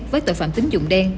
với tội phạm tín dụng đen